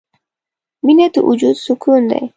• مینه د وجود سکون دی.